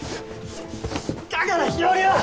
だから日和は。